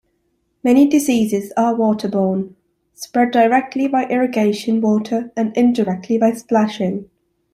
Many diseases are waterborne, spread directly by irrigation water and indirectly by splashing.